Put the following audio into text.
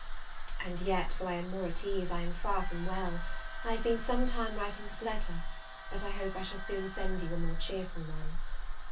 And yet, though I am more at ease, I am far from well: I have been some time writing this letter; but I hope I shall send you soon a more cheerful one.